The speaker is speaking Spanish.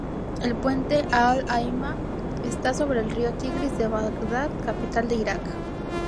El puente Al-Ayma esta sobre el río Tigris en Bagdad, capital de Irak.